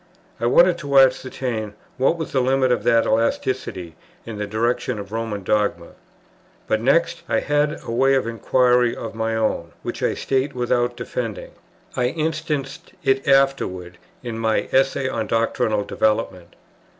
I wanted to ascertain what was the limit of that elasticity in the direction of Roman dogma. But next, I had a way of inquiry of my own, which I state without defending. I instanced it afterwards in my Essay on Doctrinal Development.